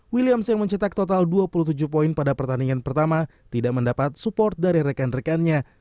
williams yang mencetak total dua puluh tujuh poin pada pertandingan pertama tidak mendapat support dari rekan rekannya